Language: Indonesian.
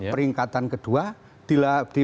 peringatan kedua di peringatan tiga puluh dua hari